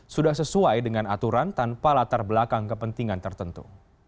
sudah sesuai dengan aturan tanpa latar belakang kepentingan tertentu